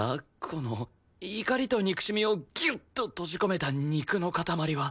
この怒りと憎しみをギュッと閉じ込めた肉の塊は。